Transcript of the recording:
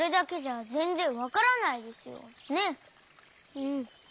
うん。